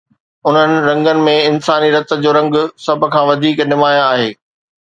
انهن رنگن ۾ انساني رت جو رنگ سڀ کان وڌيڪ نمايان آهي.